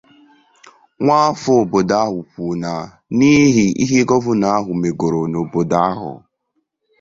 nwa afọ obodo ahụ kwuru na n'ihi ihe gọvanọ ahụ megoro n'obodo ahụ